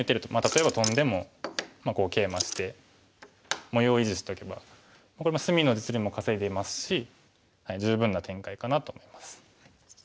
例えばトンでもケイマして模様を維持しとけばこれ隅の実利も稼いでいますし十分な展開かなと思います。